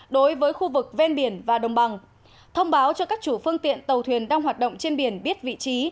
đối với khu vực ven biển và đồng bằng thông báo cho các chủ phương tiện tàu thuyền đang hoạt động trên biển biết vị trí